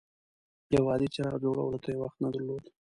د یو عادي څراغ جوړولو ته یې وخت نه درلود.